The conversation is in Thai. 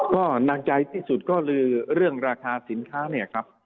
ก็หนักใจที่สุดก็คือเรื่องราคาสินค้าเนี่ยครับ